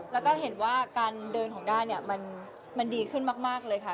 แล้วก็เห็นว่าการเดินของด้าเนี่ยมันดีขึ้นมากเลยค่ะ